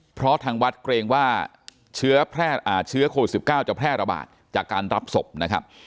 เพราะทางวัดเกรงว่าเชื้อแพร่อ่าเชื้อโควิดสิบเก้าแพร่ระบาดจักรรรับศพนะครับ